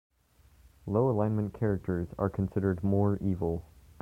Low alignment characters are considered more 'evil'.